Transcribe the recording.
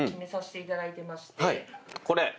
これ。